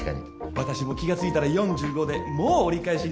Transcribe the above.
私も気がついたら４５でもう折り返しに来ちゃって。